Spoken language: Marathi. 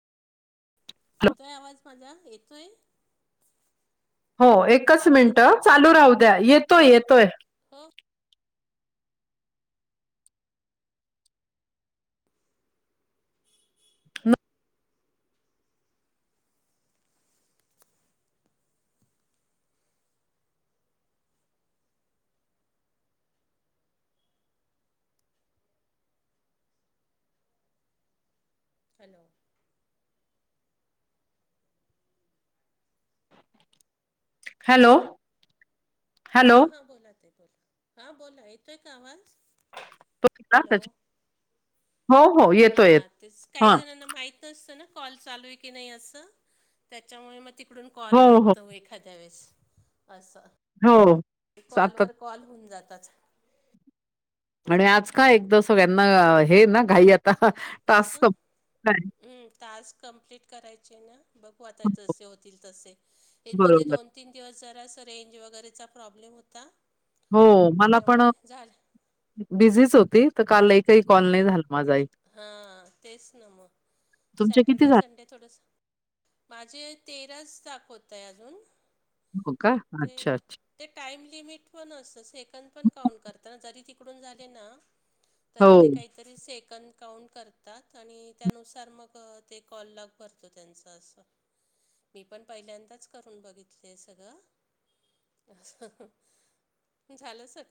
येतोय आवाज माझा येतोय? हो. हॅलो एकच आवाज मिनट येतोय का चालू राहू द्या. येतोय येतोय. हो - [unintelligible] हॅलो. हॅलो. हा हॅलो हा बोला ताई बोला. हा बोला येतोय का आवाज? हॅलो. हो हो हा येतोय येत तेच हा काही जणांना माहित तस न कॉल चालू आहे की नाही अस, त्याच्यामुळे मग त ती कडून हो कॉल हो येतो एखाद्या वेळेस असं हो. ते सातत कॉलवर कॉल होऊन जातात. आणि आज का एकदा सगळ्यांना हे ना घाई आता. टास्क असं सम टास्क कंप्लीट करायचे आहे ना. बघू आता जसे होतील तसे हे मध्ये बरोबर दोन, तीन दिवस जरास रेंज वगैरेचा प्रॉब्लेम होता. हो मला पण त्याच्यामुळे झालं बिझीच होती, तर काल लई कॉल नाही झाला. माझाही हा तेच ना मग तुमचे किती सॅटर्डे, झाले संडे थोडंस. माझे तेराच दाखवतय अजून हो का? ते अच्छा अच्छा. ते टाइम लिमिट पण असतं सेकड पण काउंट करतना जरी तिकडून झाले ना तरी हो ते काहीतरी सेक कन काउंट करतात आणि त्यानुसार मग ते कॉल लॉग भरतो त्यांचं असं. मी पण पहिल्यांदाच करून बघितलेय सगळं. अहं अहं झालं सर